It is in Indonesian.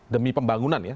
demi pembangunan ya